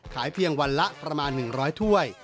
เพียงวันละประมาณ๑๐๐ถ้วย